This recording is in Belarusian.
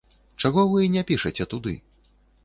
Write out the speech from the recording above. Чаго вы не пішаце туды?